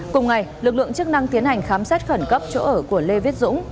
cùng ngày lực lượng chức năng tiến hành khám xét khẩn cấp chỗ ở của lê viết dũng